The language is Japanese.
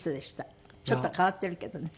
ちょっと変わってるけどね。